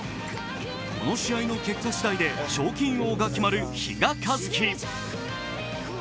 この試合の結果しだいで賞金王が決まる比嘉一貴。